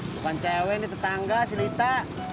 bukan cewek ini tetangga si lita